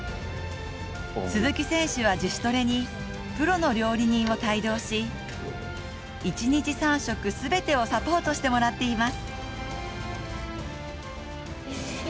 鈴木選手は自主トレにプロの料理人を帯同し、一日３食全てをサポートしてもらっています。